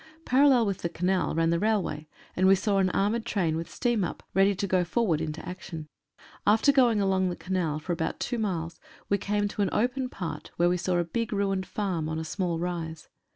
Parallel with the Canal ran the railway, and we saw an armoured train with steam' up, ready to go forward into action. After going along the Canal for about two miles we came to an open part, where we saw a big, ruined farm on a small rise.